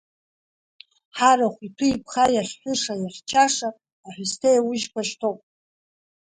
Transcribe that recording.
Ҳарахә иҭәы-иԥха иахьҳәыша-иахьчаша аҳәысҭа еиужьқәа шьҭоуп.